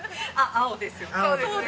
青ですよね。